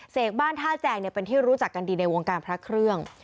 บ้านท่าแจงเป็นที่รู้จักกันดีในวงการพระเครื่อง